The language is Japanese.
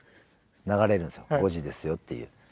流れるんですよ５時ですよっていう。